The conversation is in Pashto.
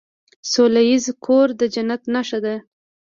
سوله ایز کور د جنت نښه ده.